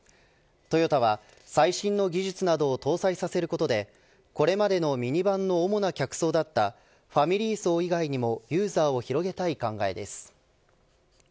トヨタは最新の技術などを搭載することでこれまでのミニバンの主な客層だったファミリー層以外にもユーザーを広げたい考えです。